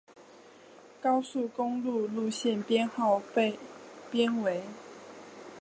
高速公路路线编号被编为。